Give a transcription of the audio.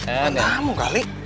udah tamu kali